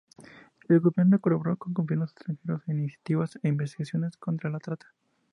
El gobierno colaboró con gobiernos extranjeros en iniciativas e investigaciones contra la trata.